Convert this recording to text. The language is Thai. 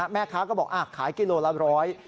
แม่ค้าก็บอกขายกิโลละร้อย